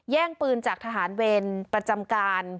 แย่งปืนจากทหารเวรประจำการ